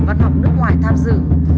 văn học nước ngoài tham dự